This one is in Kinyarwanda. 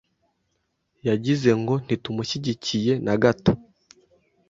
Yagize mgo ntitumushyigikiye nagato.